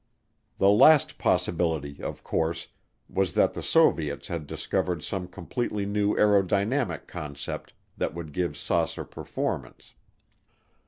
The last possibility, of course, was that the Soviets had discovered some completely new aerodynamic concept that would give saucer performance.